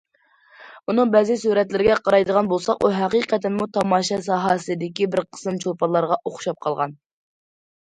ئۇنىڭ بەزى سۈرەتلىرىگە قارايدىغان بولساق ئۇ ھەقىقەتەنمۇ تاماشا ساھەسىدىكى بىر قىسىم چولپانلارغا ئوخشاپ قالغان.